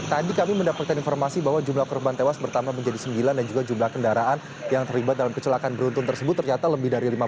tadi kami mendapatkan informasi bahwa jumlah korban tewas bertambah menjadi sembilan dan juga jumlah kendaraan yang terlibat dalam kecelakaan beruntun tersebut ternyata lebih dari lima ratus